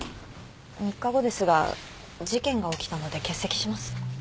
３日後ですが事件が起きたので欠席します。